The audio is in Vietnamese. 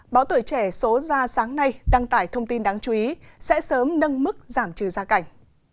báo tuổi trẻ số ra sáng nay đăng tải thông tin đáng chú ý sẽ sớm nâng mức giảm trừ gia cảnh